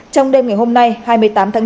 trong đêm ngày hôm nay hai mươi tám tháng bốn